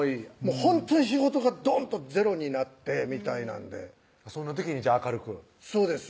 ほんとに仕事がドンとゼロになってみたいなんでそんな時にじゃあ明るくそうです